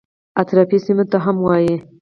اطرافي سیمو ته هم وایي.